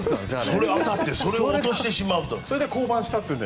それに当たってそれを落としてしまうという。